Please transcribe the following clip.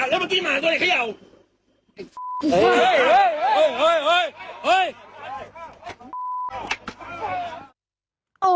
แล้วมะกี้มำเนิดอะไรซะขย่าว